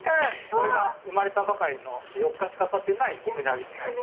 これが生まれたばかりの４日しかたってないうなぎになります。